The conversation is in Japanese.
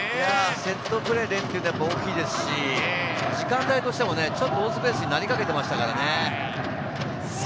セットプレーでっていうのは大きいですし、時間帯としてもちょっと大津ペースになりかけてましたからね。